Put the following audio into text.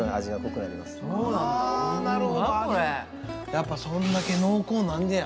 やっぱそんだけ濃厚なんねや。